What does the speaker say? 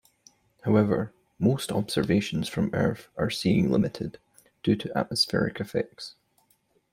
However, most observations from Earth are seeing-limited due to atmospheric effects.